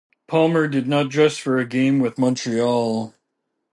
Palmer did not dress for a game with Montreal.